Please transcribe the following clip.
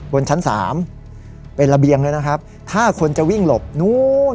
บนชั้นสามเป็นระเบียงเลยนะครับถ้าคนจะวิ่งหลบนู้น